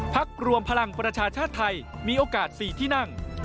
พักรวมพลังประชาชาติไทยมีโอกาส๔ที่นั่ง